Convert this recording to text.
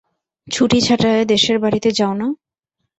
ছুটিছাঁটায় দেশের বাড়িতে যাও না?